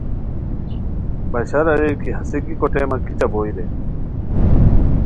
بشار اریر کی ہسے گیکو ٹیمہ کیچہ بوئے رے